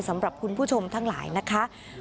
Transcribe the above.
สำหรับคุณผู้ชมทั้งหลายนะคะ